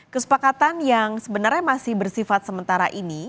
kesepakatan yang sebenarnya masih bersifat sementara ini